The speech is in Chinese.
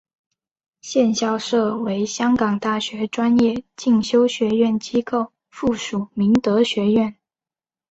现校舍为香港大学专业进修学院机构附属明德学院。